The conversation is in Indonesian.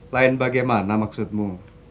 lain bagaimana maksudmu